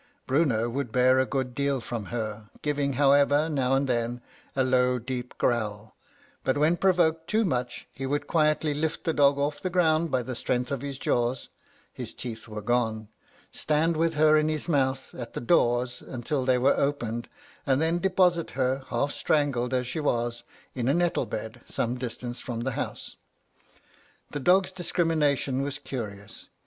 Bruno would bear a good deal from her, giving, however, now and then, a low deep growl; but when provoked too much, he would quietly lift the dog off the ground by the strength of his jaws (his teeth were gone), stand with her in his mouth at the doors until they were opened, and then deposit her, half strangled as she was, in a nettle bed some distance from the house. The dog's discrimination was curious.